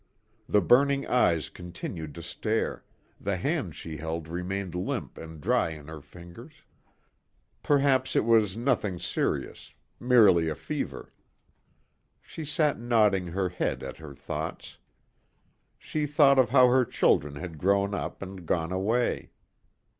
The burning eyes continued to stare, the hand she held remained limp and dry in her fingers. Perhaps it was nothing serious. Merely a fever. She sat nodding her head at her thoughts. She thought of how her children had grown up and gone away.